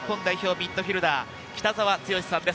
ミッドフィルダー・北澤豪さんです。